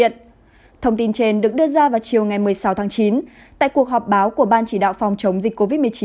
thông tin trên được đưa ra vào chiều ngày một mươi sáu tháng chín tại cuộc họp báo của ban chỉ đạo phòng chống dịch covid một mươi chín